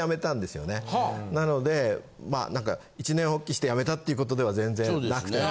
なのでなんか一念発起して辞めたっていうことでは全然なくて。